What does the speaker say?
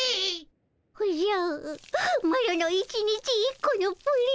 おじゃマロの一日１コのプリン。